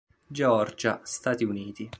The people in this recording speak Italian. Georgia, Stati Uniti.